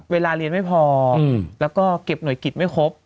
เวลาเรียนไม่พอแล้วก็เก็บหน่วยกิจไม่ครบ